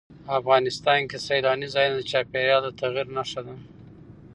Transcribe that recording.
افغانستان کې سیلاني ځایونه د چاپېریال د تغیر نښه ده.